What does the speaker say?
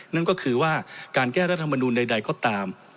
นั่นก็คือว่าการแก้รัฐมนูลใดก็ตาม